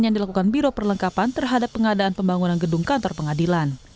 yang dilakukan biro perlengkapan terhadap pengadaan pembangunan gedung kantor pengadilan